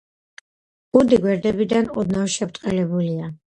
კუდი გვერდებიდან ოდნავ შებრტყელებულია.